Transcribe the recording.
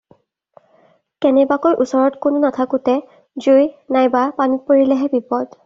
কেনেবাকৈ ওচৰত কোনো নাথাকোঁতে জুই নাইবা পানীত পৰিলেহে বিপদ।